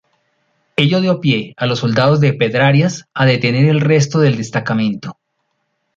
Ello dio pie a los soldados de Pedrarias a detener al resto del destacamento.